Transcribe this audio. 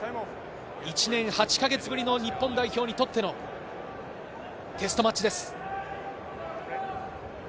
１年８か月ぶりの日本代表にとってのテストマッチです。